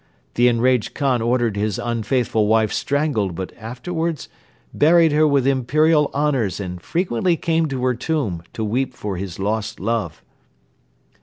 The enraged Khan ordered his unfaithful wife strangled but afterwards buried her with imperial honors and frequently came to her tomb to weep for his lost love."